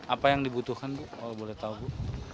apa yang dibutuhkan bu kalau boleh tahu bu